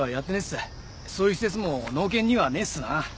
そういう施設も農研にはねえっすな。